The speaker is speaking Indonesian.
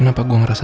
kenapa gue ngerasa